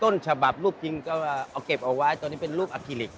ต้นฉบับรูปจริงก็เอาเก็บเอาไว้ตอนนี้เป็นรูปอคิลิก